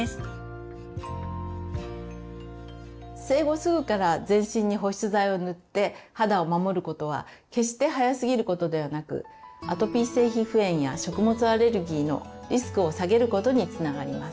生後すぐから全身に保湿剤を塗って肌を守ることは決して早すぎることではなくアトピー性皮膚炎や食物アレルギーのリスクを下げることにつながります。